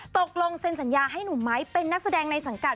ตกลงเซ็นสัญญาให้หนุ่มไม้เป็นนักแสดงในสังกัด